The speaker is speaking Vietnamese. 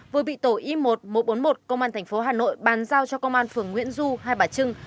vừa bị tổ y một một trăm bốn mươi một công an thành phố hà nội bàn giao cho công an phường nguyễn du hai bà trưng